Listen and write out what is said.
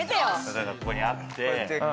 ここにあって。